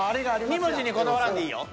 ２文字にこだわらんでいいよ。